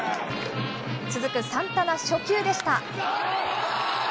続くサンタナ、初球でした。